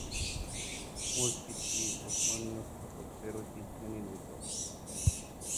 মসজিদটি ওসমানীয় স্থাপত্যের ঐতিহ্যে নির্মিত।